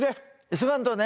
急がんとね。